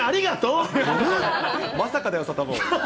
まさかだよ、サタボー。